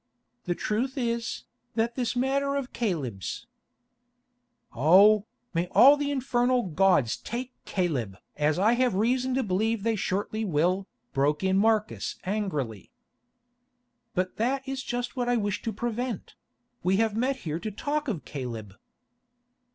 "The truth is, that this matter of Caleb's——" "Oh, may all the infernal gods take Caleb! as I have reason to believe they shortly will," broke in Marcus angrily. "But that is just what I wish to prevent; we have met here to talk of Caleb."